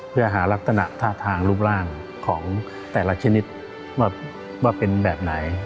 เพื่อหารักษณะท่าทางรูปร่างของแต่ละชนิดว่าเป็นแบบไหน